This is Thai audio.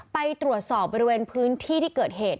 ไปตรวจสอบบริเวณพื้นที่ที่เกิดเหตุ